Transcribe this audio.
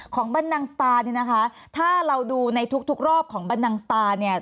ของบรรนังสตาร์เนี่ยนะคะถ้าเราดูในทุกทุกรอบของบรรนังสตาร์เนี่ย